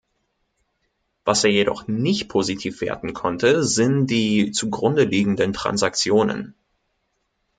Was er jedoch nicht positiv werten konnte, sind die zugrundeliegenden Transaktionen.